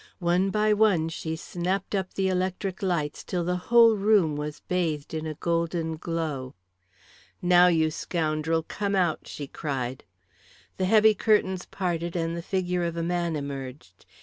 One by one she snapped up the electric lights till the whole room was bathed in a golden glow. "Now, you scoundrel, come out," she cried. The heavy curtains parted and the figure of a man emerged.